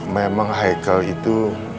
memang haikal itu